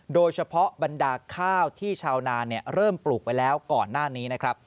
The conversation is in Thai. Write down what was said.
โดยเฉพาะบรรดาข้าวที่ชาวนานเนี่ยเริ่มปลูกไปแล้วก่อนหน้านี้นะครับ